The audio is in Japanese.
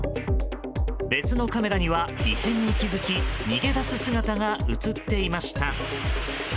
別のカメラには、異変に気付き逃げ出す姿が映っていました。